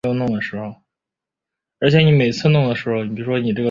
桌上足球中足球小人的排列是标准化的。